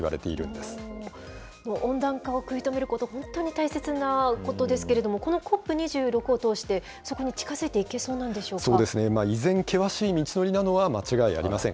でも、温暖化を食い止めること、本当に大切なことですけれども、このＣＯＰ２６を通して、そこに近づいていけそうなんでしょ依然、険しい道のりなのは間違いありません。